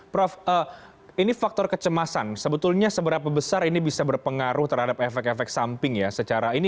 prof ini faktor kecemasan sebetulnya seberapa besar ini bisa berpengaruh terhadap efek efek samping ya